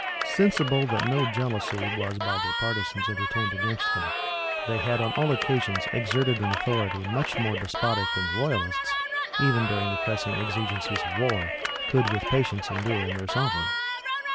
Sensible that no jealousy was by their partisans entertained against them, they had on all occasions exerted an authority much more despotic than the royalists, even during the pressing exigencies of war, could with patience endure in their sovereign.